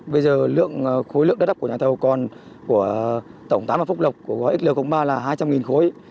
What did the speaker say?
bây giờ lượng khối lượng đất đắp của nhà thầu còn của tổng tám và phúc lộc của gói xl ba là hai trăm linh khối